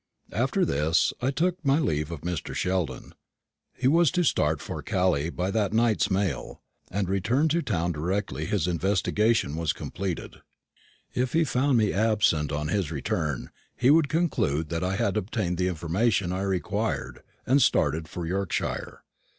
After this I took my leave of Mr. Sheldon. He was to start for Calais by that night's mail, and return to town directly his investigation was completed. If he found me absent on his return, he would conclude that I had obtained the information I required and started for Yorkshire.